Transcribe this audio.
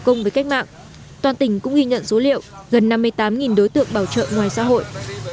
công với cách mạng toàn tỉnh cũng ghi nhận số liệu gần năm mươi tám đối tượng bảo trợ ngoài xã hội